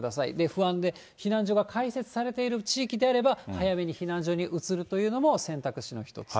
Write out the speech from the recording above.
不安で避難所が開設されている地域であれば、早めに避難所に移るというのも選択肢の一つ。